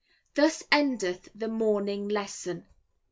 Thus endeth the morning lesson.